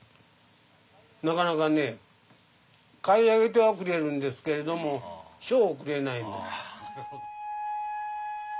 なかなかね買い上げてはくれるんですけれども賞をくれない。